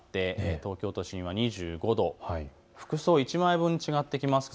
東京都心は２５度、服装１枚分、違ってきます。